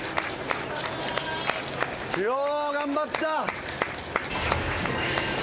よう頑張った！